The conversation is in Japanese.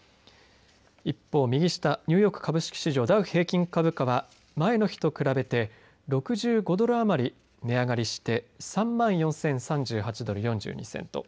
一方右下ニューヨーク株式市場ダウ平均株価は前の日と比べて６５ドル余り値上がりして３万４０３８ドル４２セント